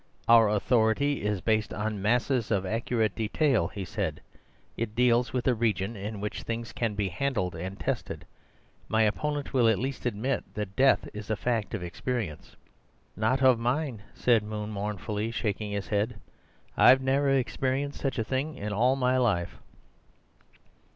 "Our authority is based on masses of accurate detail," he said. "It deals with a region in which things can be handled and tested. My opponent will at least admit that death is a fact of experience." "Not of mine," said Moon mournfully, shaking his head. "I've never experienced such a thing in all my life."